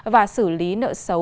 và xử lý nợ xấu